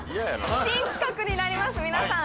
新企画になります皆さん。